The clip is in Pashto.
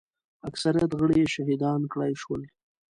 اکثریت غړي یې شهیدان کړای شول.